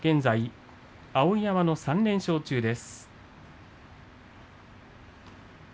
現在、碧山の３連勝中です。